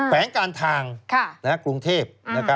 แวงการทางกรุงเทพ